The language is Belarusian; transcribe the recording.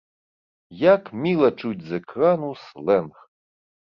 Як міла чуць з экрану слэнг!